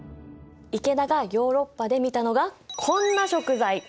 池田がヨーロッパで見たのがこんな食材。